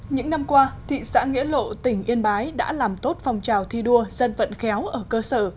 những năm qua thị xã nghĩa lộ tỉnh yên bái đã làm tốt phong trào thi đua dân vận khéo ở cơ sở